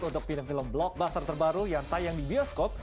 untuk film film blockbuster terbaru yang tayang di bioskop